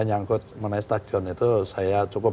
nyangkut mengenai stadion itu saya cukup